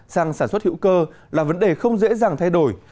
sang sản xuất hữu cơ là vấn đề không dễ dàng thay đổi